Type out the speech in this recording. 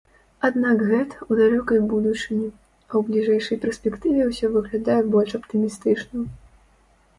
Аднак гэта ў далёкай будучыні, а ў бліжэйшай перспектыве ўсё выглядае больш аптымістычна.